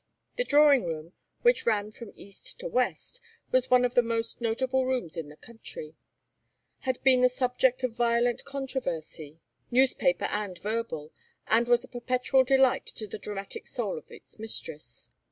The drawing room, which ran from east to west, was one of the most notable rooms in the country, had been the subject of violent controversy, newspaper and verbal, and was a perpetual delight to the dramatic soul of its mistress.